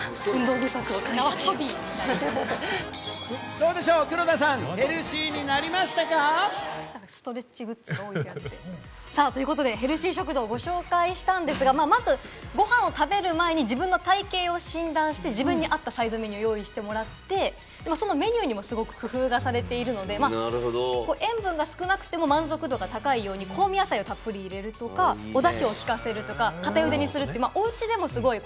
どうでしょう黒田さん、ヘルシーになりましたか？ということでヘルシー食堂をご紹介したんですが、まずご飯を食べる前に自分の体形を診断して、自分に合ったサイドメニューを用意、そのメニューにも工夫がされているので、塩分が少なくても満足度が高いように、香味野菜をたっぷり入れるとか、おだしを効かせるとか、固ゆでにする。